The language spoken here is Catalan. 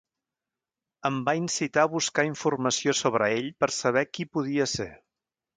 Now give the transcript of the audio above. Em va incitar a buscar informació sobre ell per saber qui podia ser.